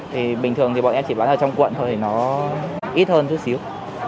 thì bình thường thì bọn em chỉ bán ở trong quận thôi thì nó ít hơn chút xíu